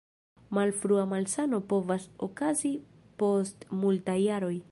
Malfrua malsano povas okazi post multaj jaroj.